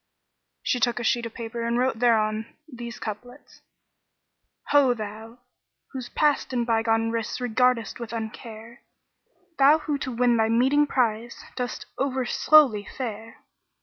So she took a sheet of paper and wrote thereon these couplets, "Ho thou, who past and bygone risks regardest with uncare! * Thou who to win thy meeting prize dost overslowly fare!